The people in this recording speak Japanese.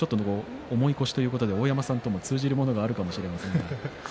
重い腰ということで大山さんと通じるものがあるかもしれません。